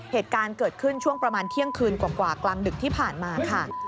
เหตุการณ์เกิดขึ้นช่วงประมาณเที่ยงคืนกว่ากลางดึกที่ผ่านมาค่ะ